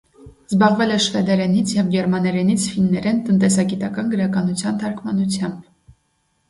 Զբաղվել է շվեդերենից և գերմաներենից ֆիններեն տնտեսագիտական գրականության թարգմանությամբ։